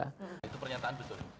itu pernyataan betul